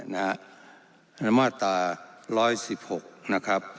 ในมาตรา๑๑๖นะครับ